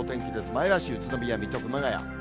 前橋、宇都宮、水戸、熊谷。